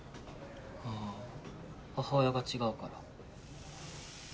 あぁ母親が違うから。